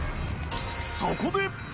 そこで。